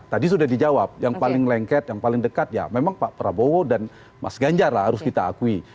tadi sudah dijawab yang paling lengket yang paling dekat ya memang pak prabowo dan mas ganjar lah harus kita akui